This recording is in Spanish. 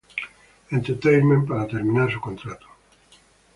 Entertainment para terminar su contrato.